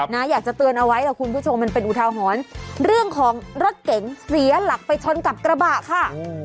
อยากจะเตือนเอาไว้ล่ะคุณผู้ชมมันเป็นอุทาหรณ์เรื่องของรถเก๋งเสียหลักไปชนกับกระบะค่ะ